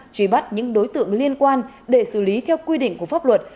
truy bắt những đối tượng liên quan để xử lý theo quy định của pháp luật